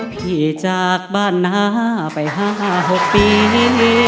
พี่จากบ้านหน้าไป๕๖ปี